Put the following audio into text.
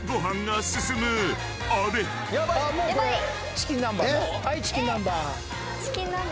チキン南蛮か？